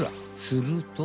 すると。